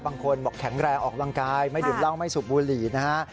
บางคนบอกแข็งแรงออกกำลังกายไม่ดื่มเหล้าไม่สูบบุหรี่นะฮะ